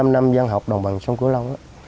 bốn mươi năm năm văn học đồng bằng sông cửu long